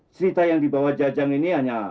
cerita yang dibawa jajang ini hanya